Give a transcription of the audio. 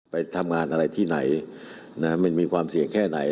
ไปทำงานอะไรที่ไหนมันมีความเสี่ยงแค่ไหน